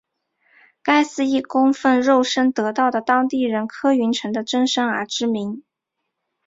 该寺因供奉肉身得道的当地人柯云尘的真身而知名。